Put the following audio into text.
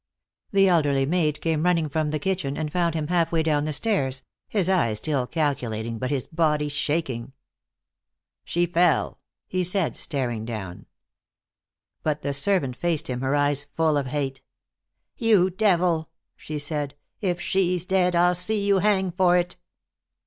The elderly maid came running from the kitchen, and found him half way down the stairs, his eyes still calculating, but his body shaking. "She fell," he said, still staring down. But the servant faced him, her eyes full of hate. "You devil!" she said. "If she's dead, I'll see you hang for it."